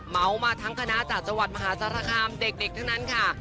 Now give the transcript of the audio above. เมามาทั้งคณะจากจังหวัดมหาสารคามเด็กทั้งนั้นค่ะ